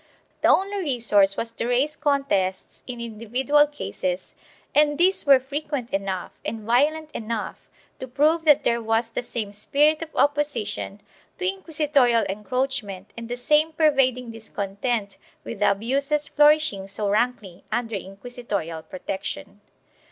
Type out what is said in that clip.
2 The only resource was to raise contests in individual cases and these were frequent enough and violent enough to prove that there was the same spirit of opposition to inquisitorial encroach ment and the same pervading discontent with the abuses flour ishing so rankly under inquisitorial protection.